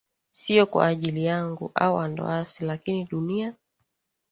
Siyo kwa ajili yangu au Andoas lakini dunia